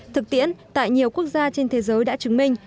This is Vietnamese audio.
thực tiễn tại nhiều quốc gia trên thế giới đã chứng minh